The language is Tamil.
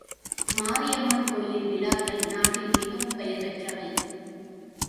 மாரியம்மன் கோயில் விழாக்கள் நாட்டில் மிகவும் பெயர் பெற்றவை.